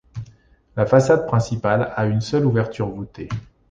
La façade principale a une seule ouverture voûtée.